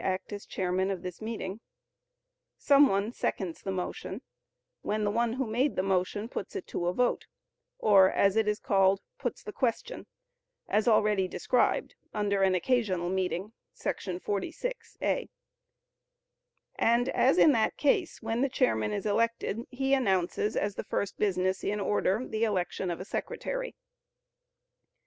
act as chairman of this meeting;" some one "seconds the motion," when the one who made the motion puts it to vote (or, as it is called, "puts the question"), as already described, under an "occasional meeting" [§ 46, (a)]; and, as in that case, when the chairman is elected, he announces as the first business in order the election of a secretary.